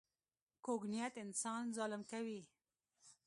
کوږ نیت انسان ظالم کوي